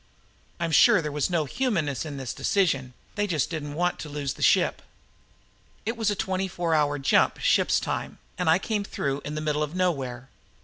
I'm sure there was no humaneness in this decision. They just didn't want to lose the ship. It was a twenty hour jump, ship's time, and I came through in the middle of nowhere.